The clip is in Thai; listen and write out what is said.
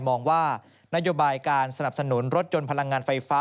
มองว่านโยบายการสนับสนุนรถยนต์พลังงานไฟฟ้า